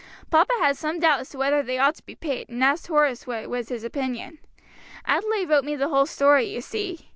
Papa had some doubt as to whether they ought to be paid, and asked Horace what was his opinion. Adelaide wrote me the whole story, you see.